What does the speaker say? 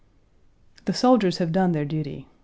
The soldiers have done their duty.